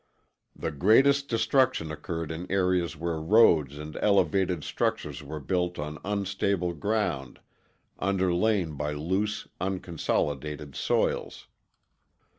The greatest destruction occurred in areas where roads and elevated structures were built on unstable ground underlain by loose, unconsolidated soils.